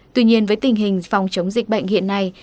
tuy nhiên với tình hình phòng chống dịch bệnh hiện nay